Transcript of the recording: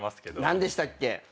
何でしたっけ？